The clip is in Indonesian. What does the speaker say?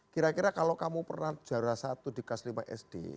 kira kira kalau kamu pernah juara satu di kelas lima sd